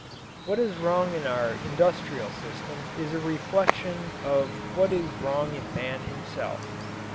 What is wrong in our industrial system is a reflection of what is wrong in man himself.